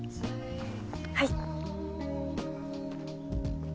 はい。